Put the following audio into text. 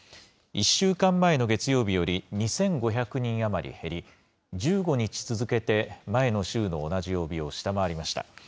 １週間前の月曜日より２５００人余り減り、１５日続けて前の週の同じ曜日を下回りました。